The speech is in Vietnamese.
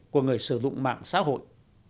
của người sử dụng mạng xã hội